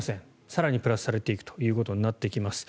更にプラスされていくということになります。